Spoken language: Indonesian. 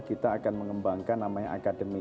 kita akan mengembangkan namanya akademi